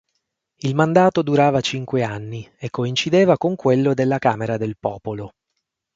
Il mandato durava cinque anni e coincideva con quello della Camera del popolo.